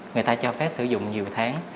người ta cho phép sử dụng nhiều tháng